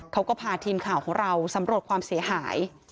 เขาก็พาทีมข่าวของเราสำรวจความเสียหาย